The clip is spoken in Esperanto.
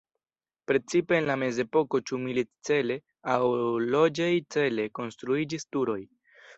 Precipe en la mezepoko ĉu milit-cele aŭ loĝej-cele konstruiĝis turoj.